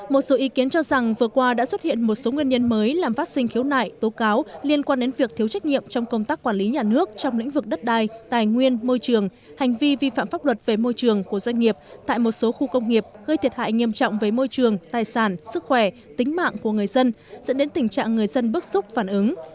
một số ý kiến cho rằng vừa qua đã xuất hiện một số nguyên nhân mới làm phát sinh khiếu nại tố cáo liên quan đến việc thiếu trách nhiệm trong công tác quản lý nhà nước trong lĩnh vực đất đai tài nguyên môi trường hành vi vi phạm pháp luật về môi trường của doanh nghiệp tại một số khu công nghiệp gây thiệt hại nghiêm trọng với môi trường tài sản sức khỏe tính mạng của người dân dẫn đến tình trạng người dân bức xúc phản ứng